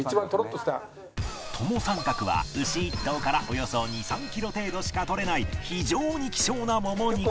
トモサンカクは牛１頭からおよそ２３キロ程度しか取れない非常に希少なモモ肉